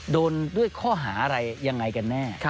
โดนด้วยข้อหาอะไรยังไงกันแน่